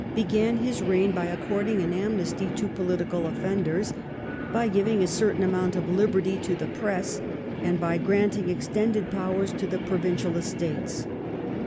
began his reign by according <\n amnesty to political offenders, by giving a certain amount of liberty to the press, and by granting extended powers to the Provincial Estates.